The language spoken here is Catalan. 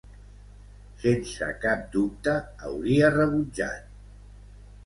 Sense cap dubte, hauria rebutjat.